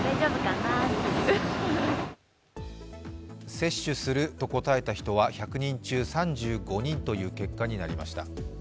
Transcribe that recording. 接種すると答えた人は１００人中３５人という結果になりました。